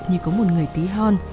như có một người tí hon